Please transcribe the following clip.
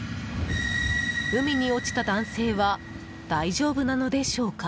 海に落ちた男性は大丈夫なのでしょうか？